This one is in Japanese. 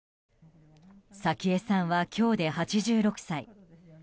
早紀江さんは今日で８６歳。